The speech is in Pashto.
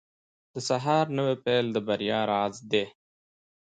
• د سهار نوی پیل د بریا راز دی.